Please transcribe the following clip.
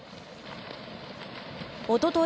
おととい